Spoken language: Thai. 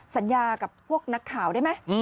สัญญากับพวกนักข่าวได้ไหม